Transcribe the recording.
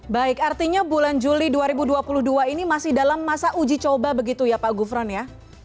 baik artinya bulan juli dua ribu dua puluh dua ini masih dalam masa uji coba begitu ya pak gufron ya